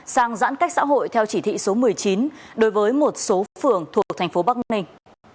sang giãn cách xã hội theo chỉ thị số một mươi chín đối với một số phường thuộc thành phố bắc ninh